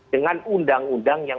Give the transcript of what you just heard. dengan undang undang yang